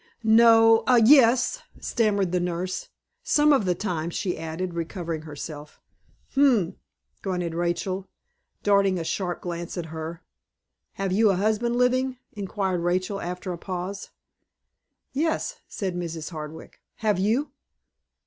"No, yes," stammered the nurse. "Some of the time," she added, recovering herself. "Umph!" grunted Rachel, darting a sharp glance at her. "Have you a husband living?" inquired Rachel, after a pause. "Yes," said Mrs. Hardwick. "Have you?"